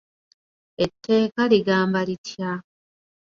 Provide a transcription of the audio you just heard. Etteeka ligamba litya?